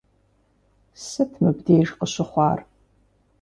Сыт мыбдеж къыщыхъуар?